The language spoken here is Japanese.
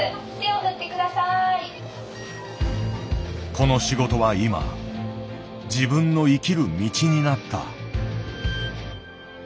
この仕事は今自分の生きる道になった。